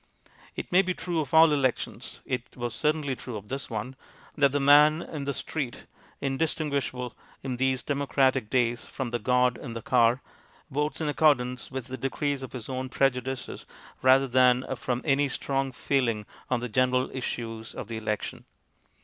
It may be true of all elections it was certainly true of this one that the man in the street, indistinguishable in these demo cratic days from the god in the car, votes in accordance with the decrees of his own pre judices, rather than from any strong feeling on the general issues of the election.